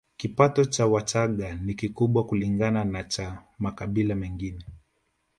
Kipato cha Wachagga ni kikubwa kulingana na cha makabila mengine